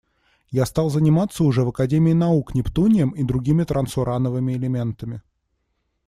Я стал заниматься уже в Академии наук нептунием и другими трансурановыми элементами.